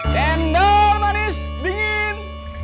cendol manis dingin